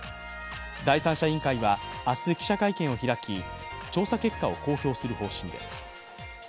第三者委員会は明日、記者会見を開き調査結果を公表する方針です。